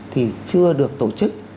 thì chưa được tổ chức